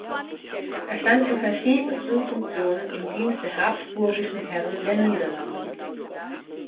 Er stand in verschiedensten Funktionen im Dienst der habsburgischen Herren der Niederlande.